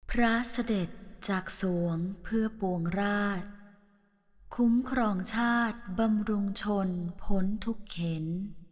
พระเสด็จจากสวงเพื่อปวงราชคุ้มครองชาติบำรุงชนพ้นทุกเข็น